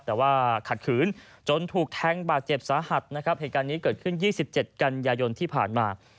แต่ว่าขัดขืนจนถูกแทงบาดเจ็บสาหัสนะครับเหตุการณ์นี้เกิดขึ้น๒๗กันยายนที่ผ่านมา